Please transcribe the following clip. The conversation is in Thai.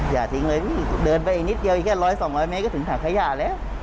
อย่าทิ้งเลยพี่เดินไปอีกนิดเดียวอีกแค่๑๐๐๒๐๐เมตรก็ถึงถังขยะแล้ว